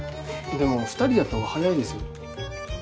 でも２人でやったほうが早いですよ？